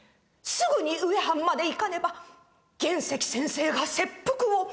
すぐにうえはんまで行かねば玄碩先生が切腹を」。